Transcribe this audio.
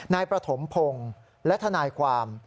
นายประถมพงศ์และทนายความ